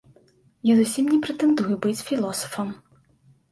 Я зусім не прэтэндую быць філосафам.